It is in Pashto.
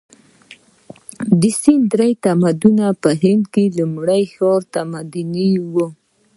د سند درې تمدن په هند کې لومړنی ښاري تمدن و.